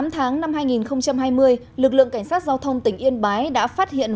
tám tháng năm hai nghìn hai mươi lực lượng cảnh sát giao thông tỉnh yên bái đã phát hiện